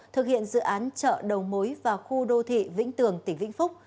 thực hiện dự án chợ đầu mối và khu đô thị vĩnh tường tỉnh vĩnh phúc